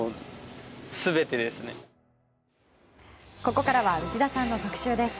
ここからは内田さんの特集です。